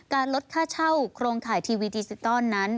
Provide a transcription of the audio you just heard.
ลดค่าเช่าโครงข่ายทีวีดิจิตอลนั้น